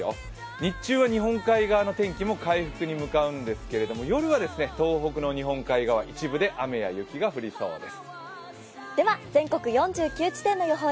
日中は日本海側の天気も回復に向かうんですけれども、夜は東北の日本海側一部で雨や雪が降りそうです。